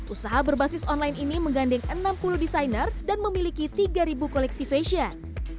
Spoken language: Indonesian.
usaha berbasis online ini menggandeng enam puluh desainer dan memiliki tiga koleksi fashion